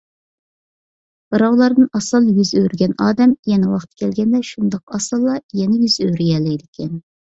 بىراۋلاردىن ئاسانلا يۈز ئۆرۈگەن ئادەم، يەنە ۋاقتى كەلگەندە شۇنداق ئاسانلا يەنە يۈز ئۆرۈيەلەيدىكەن